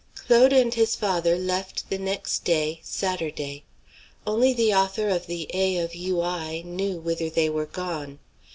Claude and his father left the next day, Saturday. Only the author of the A. of U. I. knew whither they were gone.